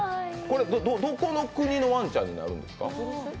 どこの国のワンちゃんなんですか？